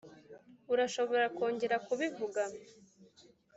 urashobora kongera kubivuga.